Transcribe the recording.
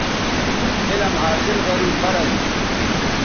علم حاصل گرو فرض تھو